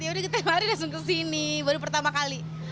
ya udah kita langsung ke sini baru pertama kali